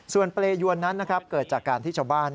ส่วนเปรยวนนั้นนะครับเกิดจากการที่ชาวบ้าน